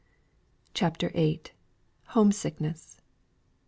CHAPTER VIII. HOME SICKNESS.